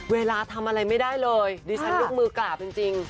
เวลาทำอะไรไม่ได้เลยดิฉันยกมือกราบจริง